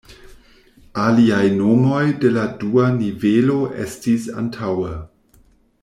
Aliaj nomoj de la dua nivelo estis antaŭe.